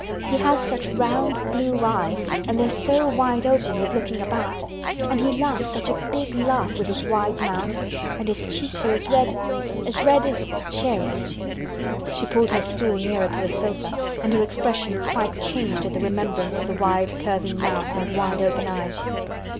He has such round blue eyes and they are so wide open with looking about. And he laughs such a big laugh with his wide mouth—and his cheeks are as red—as red as cherries." She pulled her stool nearer to the sofa and her expression quite changed at the remembrance of the wide curving mouth and wide open eyes.